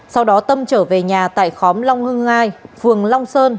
sau đó tâm trở về nhà tại khóm long hưng hai phường long sơn